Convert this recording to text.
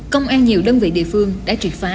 công an nhiều đơn vị địa phương đã triệt phá